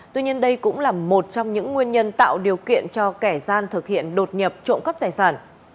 tuy nhiên đây cũng là một trong những nguyên nhân tạo điều kiện cho kẻ gian thực hiện đột nhập trộm cắp tài sản